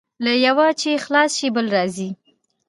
له یوه چې خلاص شې، بل راځي.